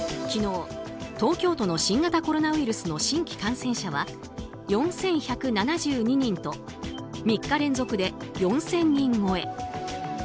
昨日、東京都の新型コロナウイルスの新規感染者は４１７２人と３日連続で４０００人超え。